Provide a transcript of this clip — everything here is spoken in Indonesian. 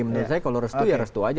menurut saya kalau restu ya restu aja